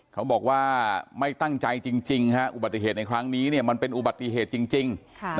เขาบอกว่าไม่ตั้งใจจริงอุบัติเหตุในครั้งนี้มันเป็นอุบัติเหตุจริง